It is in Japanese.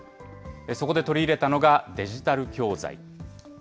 そこで取り入れたのがデジタル教材。